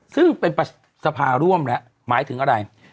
ซึ่งเป็นประสาภาร่วมหมายถึงอะไร